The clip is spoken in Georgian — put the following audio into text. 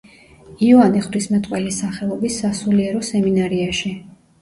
იოანე ღვთისმეტყველის სახელობის სასულიერო სემინარიაში.